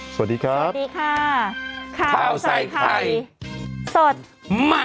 สวัสดีครับสวัสดีค่ะข้าวใส่ไข่สดใหม่